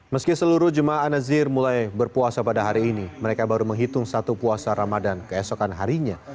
meski seluruh jemaah an nazir mulai berpuasa pada hari ini mereka baru menghitung satu puasa ramadan keesokan harinya